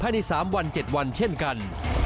ในสามวันเจ็ดวันเช่นกัน